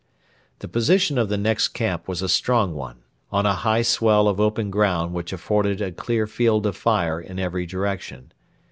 The position of the next camp was a strong one, on a high swell of open ground which afforded a clear field of fire in every direction.